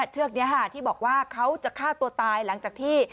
เชือกนี้ที่บอกว่าเขาจะฆ่าตัวตายหลังจากที่